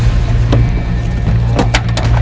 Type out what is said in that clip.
aku mau pergi ke rumah